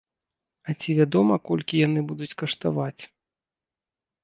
А ці вядома, колькі яны будуць каштаваць?